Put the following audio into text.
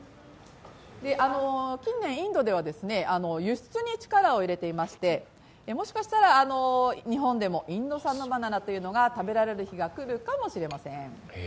近年インドでは輸出に力を入れていまして、もしかしたら日本でもインド産のバナナというのが食べられる日が来るかもしれません。